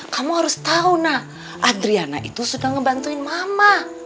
kamu harus tahu nak adriana itu sudah ngebantuin mama